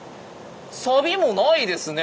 サビもないですね